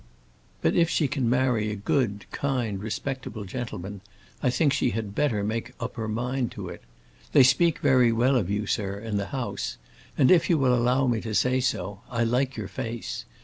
But if she can marry a good, kind, respectable gentleman, I think she had better make up her mind to it. They speak very well of you, sir, in the house, and, if you will allow me to say so, I like your face.